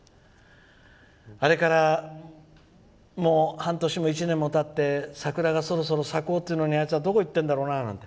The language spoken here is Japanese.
あれからもう半年も１年もたって桜がそろそろ咲こうっていうのにあいつはどこに行っているんだろうな。